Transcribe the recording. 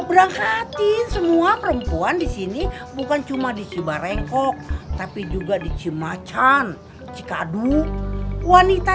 berat hati semua perempuan di sini bukan cuma di cibarengkok tapi juga di cimacan cikadu wanita